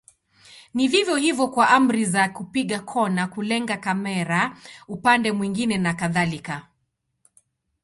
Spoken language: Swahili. Ni vivyo hivyo kwa amri za kupiga kona, kulenga kamera upande mwingine na kadhalika.